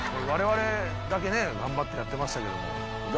われわれだけね頑張ってやってましたけども。